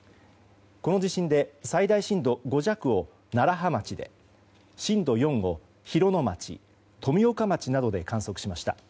この地震で最大震度５弱を、楢葉町で震度４を広野町、富岡町などで観測しました。